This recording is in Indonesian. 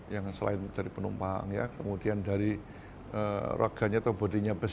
yang selain dari penumpang ya kemudian dari roganya atau bodinya bus